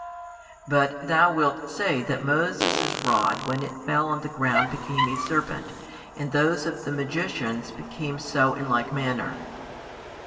But thou wilt say that Moses' rod when it fell on the ground became a serpent, and those of the magicians became so in like manner.